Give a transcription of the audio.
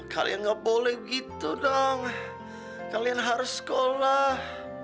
kalian ga boleh begitu dong kalian harus sekolah